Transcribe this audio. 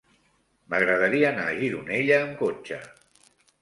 M'agradaria anar a Gironella amb cotxe.